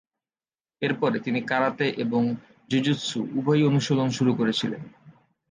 এর পরে তিনি কারাতে এবং জিউ-জিতসু উভয়ই অনুশীলন শুরু করেছিলেন।